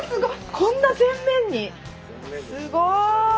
こんな前面に⁉すごい！